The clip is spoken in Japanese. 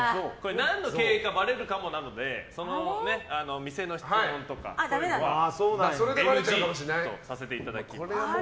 何の経営かでバレるかもなので店の質問とかそういうのはＮＧとさせていただきます。